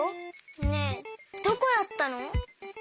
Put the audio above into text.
ねえどこやったの？